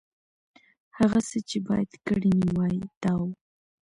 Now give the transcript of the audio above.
هغه څه چې باید کړي مې وای، دا و.